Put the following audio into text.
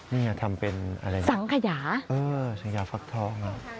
นี่ไงทำเป็นอะไรอย่างนี้สังขยาชังหญ้าฟักทอง